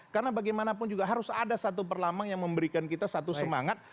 karena bagaimanapun juga harus ada satu perlamang yang memberikan kita satu semangat